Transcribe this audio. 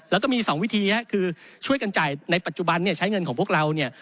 แล้วก็มี๒วิธีคือช่วยกันจ่ายในปัจจุบันเนี่ยใช้เงินของพวกเราเนี่ย